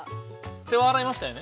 ◆手洗いましたよね。